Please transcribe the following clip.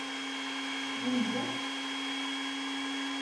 Tɣunzaḍ-t?